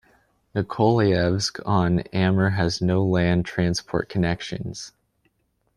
Nikolayevsk-on-Amur has no land transport connections.